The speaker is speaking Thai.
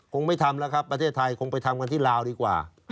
คงไม่ทำแล้วครับประเทศไทยคงไปทำกันที่ลาวดีกว่า